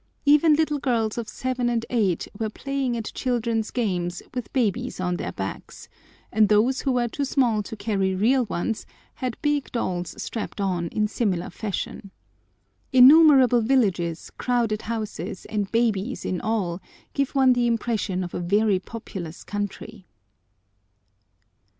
Even little girls of seven and eight were playing at children's games with babies on their backs, and those who were too small to carry real ones had big dolls strapped on in similar fashion. Innumerable villages, crowded houses, and babies in all, give one the impression of a very populous country.